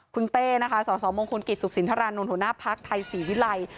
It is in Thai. คุณเต้นะคะส่อมงคุณกิจสุขศิลป์ธรรมนุนหัวหน้าภักดิ์ไทยศรีวิลัย